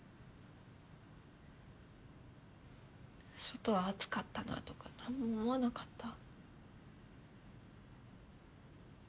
外は暑かったなとかなにも思わなかった？